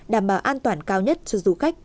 đảm bảo an toàn cao nhất cho du khách